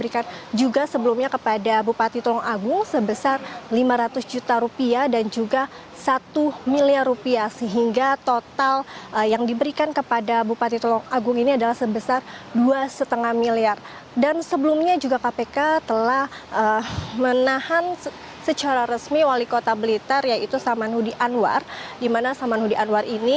ia sebelumnya menjalankan perjalanan bersama keluarga